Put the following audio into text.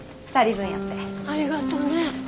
ありがとうね。